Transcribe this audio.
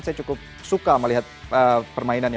saya cukup suka melihat permainannya